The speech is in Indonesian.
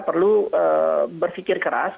perlu berpikir keras